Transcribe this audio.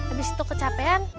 abis itu kecapean